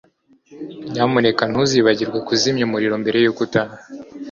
nyamuneka ntuzibagirwe kuzimya umuriro mbere yuko utaha